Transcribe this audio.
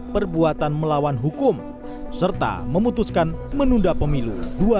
perbuatan melawan hukum serta memutuskan menunda pemilu dua ribu dua puluh empat